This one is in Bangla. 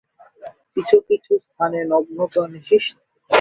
কিছু কিছু স্থানে নগ্নতা নিষিদ্ধ।